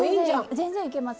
全然いけます。